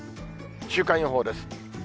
週間予報です。